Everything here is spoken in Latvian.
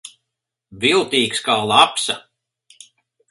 Viltīgs kā lapsa.